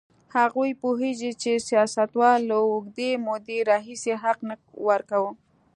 هغوی پوهېږي چې سیاستوالو له اوږدې مودې راهیسې حق نه ورکاوه.